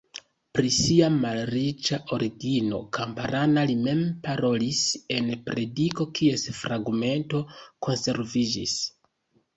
Pri sia malriĉa origino kamparana li mem parolis en prediko kies fragmento konserviĝis.